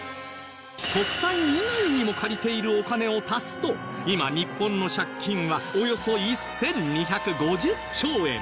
国債以外にも借りているお金を足すと今日本の借金はおよそ１２５０兆円